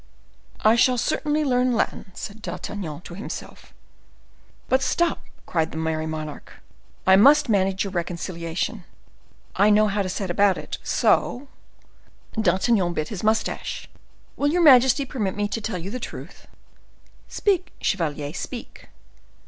"I shall certainly learn Latin," said D'Artagnan to himself. "But stop," cried the merry monarch, "I must manage your reconciliation; I know how to set about it; so—" D'Artagnan bit his mustache. "Will your majesty permit me to tell you the truth?" "Speak, chevalier, speak."